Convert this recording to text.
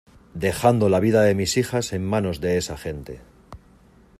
dejando la vida de mis hijas en manos de esa gente.